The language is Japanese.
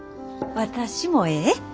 私もええ？